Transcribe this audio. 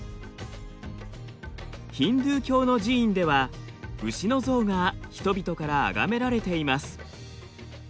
ヒンドゥー教の寺院では牛の像が人々からあがめられています。